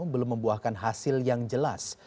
belum membuahkan hasil yang jelas